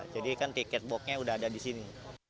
jadi kan tiket boxnya udah ada di sini